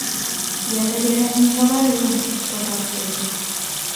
Я табе раней гаварыла, што так будзе.